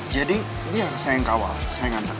jadi biar saya yang kawal saya yang nantar ya